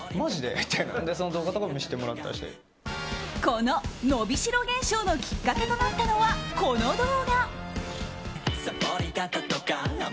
この「のびしろ」現象のきっかけとなったのは、この動画。